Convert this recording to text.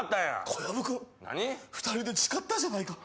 小籔君、２人で誓ったじゃないか。